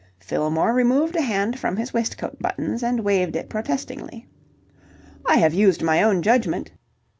Fillmore removed a hand from his waistcoat buttons and waved it protestingly. "I have used my own judgment..."